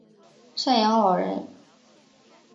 赡养老人